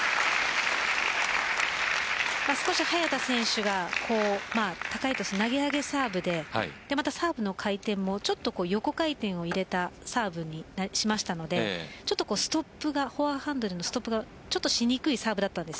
少し早田選手が高いトス投げ上げサーブでサーブの回転も横回転を入れたサーブにしましたのでストップがフォアハンドでのストップがしにくいサーブでした。